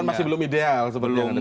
cuma masih belum ideal sebelumnya